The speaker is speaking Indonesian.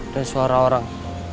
dan suara orang